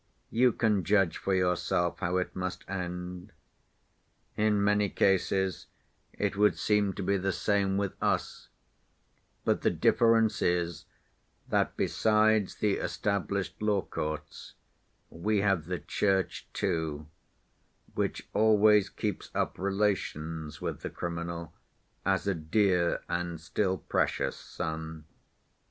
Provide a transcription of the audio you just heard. You can judge for yourself how it must end. In many cases it would seem to be the same with us, but the difference is that besides the established law courts we have the Church too, which always keeps up relations with the criminal as a dear and still precious son.